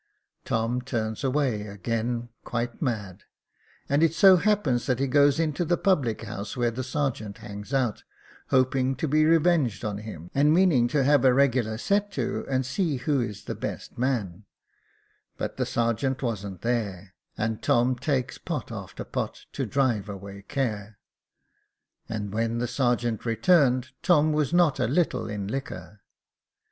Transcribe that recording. Tom turns away again quite mad ; and it so happens that he goes into the public house where the sergeant hangs out, hoping to be revenged on him, and meaning to have a regular set to, and see who is the best man ; but the sergeant wasn't there, and Tom takes pot after pot to drive away care ; and, when the sergeant returned, Tom was not a little in liquor.